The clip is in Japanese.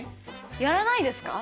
やらないですか？